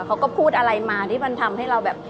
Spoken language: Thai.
เขาก็พูดอะไรมาที่มันทำให้เราแบบ